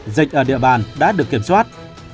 dịch ở địa bàn đã được kiểm soát